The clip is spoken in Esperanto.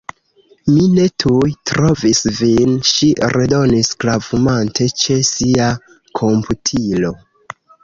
Mi ne tuj trovas vin, ŝi redonis, klavumante ĉe sia komputilo.